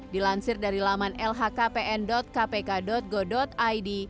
dilansir dari laman lhkpn kpk go id